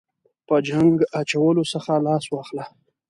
په جنګ اچولو څخه لاس واخله.